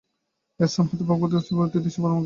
এ স্থান হতেই ব্রহ্ম শ্যাম প্রভৃতি দেশে ধর্ম গেছে।